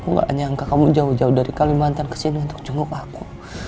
aku gak nyangka kamu jauh jauh dari kalimantan kesini untuk cungguk aku